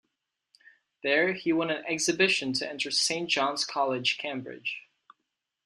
There, he won an exhibition to enter Saint John's College, Cambridge.